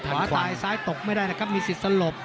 ขวาตายซ้ายตกไม่ได้นะครับมีศิษย์สลบ